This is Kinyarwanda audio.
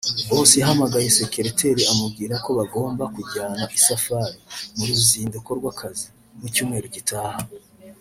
Boss yahamagaye sekereteri amubwira ko bagomba kujyana isafari ( mu ruzinduko rw’akazi) mu cyumweru gitaha